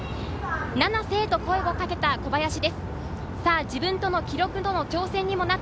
七星！と声をかけた小林です。